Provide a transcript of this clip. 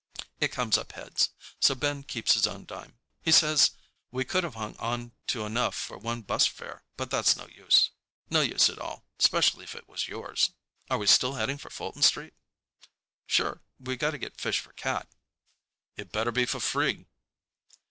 It comes up heads, so Ben keeps his own dime. He says, "We could have hung onto enough for one bus fare, but that's no use." "No use at all. 'Specially if it was yours." "Are we still heading for Fulton Street?" "Sure. We got to get fish for Cat." "It better be for free."